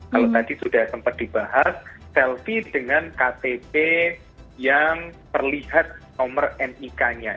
kalau tadi sudah sempat dibahas selfie dengan ktp yang terlihat nomor nik nya